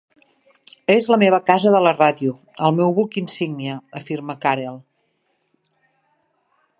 És la meva casa de la ràdio, el meu buc insígnia, afirma Karel.